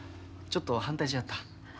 ちょっと反対しはった。